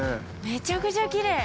◆めちゃくちゃきれい。